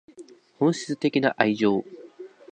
本質的な愛情